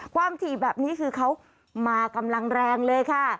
ถี่แบบนี้คือเขามากำลังแรงเลยค่ะ